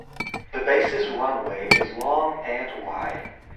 The base's runway is long and wide.